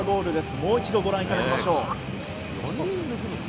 もう一度、ご覧いただきましょう。